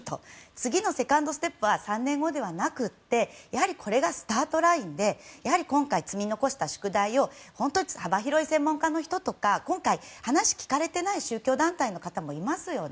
次のセカンドステップは３年後ではなくてこれがスタートラインで今回、積み残した宿題を本当に幅広い専門家の人とか話を聞かれていない宗教団体の方もいますよね。